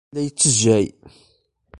La yettejjey.